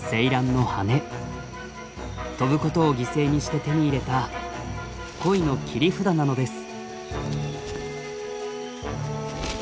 飛ぶことを犠牲にして手に入れた恋の切り札なのです。